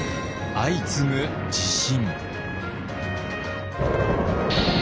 相次ぐ地震。